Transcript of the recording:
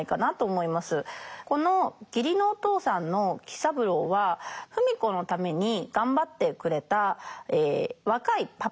この義理のお父さんの喜三郎は芙美子のために頑張ってくれた若いパパです。